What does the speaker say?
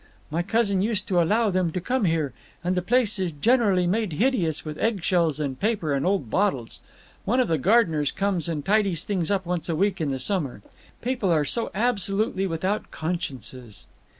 My cousin used to allow them to come here, and the place is generally made hideous with egg shells and paper and old bottles. One of the gardeners comes and tidies things up once a week in the summer. People are so absolutely without consciences."